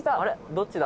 どっちだ？」